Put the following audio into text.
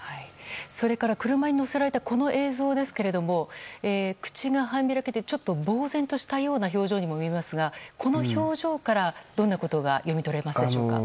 それから、車に乗せられたこの映像ですが口が半開きで、ちょっと呆然としたような表情にも見えますがこの表情から、どんなことが読み取れますでしょうか。